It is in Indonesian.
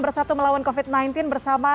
bersatu melawan covid sembilan belas bersama